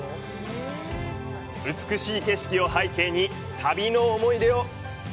美しい景色を背景に旅の思い出を。